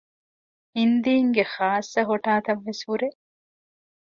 ހިންދީންގެ ޚާއްސަ ހޮޓާތައް ވެސް ހުރޭ